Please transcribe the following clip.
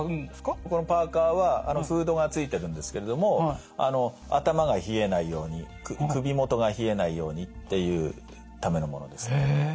このパーカーはフードが付いてるんですけれども頭が冷えないように首元が冷えないようにっていうためのものですね。